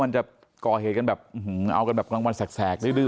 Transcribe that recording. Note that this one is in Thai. มันจะก่อเหตุกันแบบเอากันแบบกลางวันแสกดื้อ